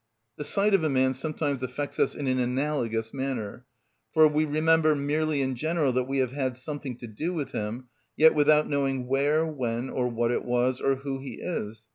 The sight of a man sometimes affects us in an analogous manner, for we remember merely in general that we have had something to do with him, yet without knowing where, when, or what it was, or who he is.